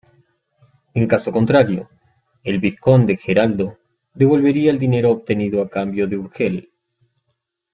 En caso contrario, el vizconde Geraldo devolvería el dinero obtenido a cambio de Urgel.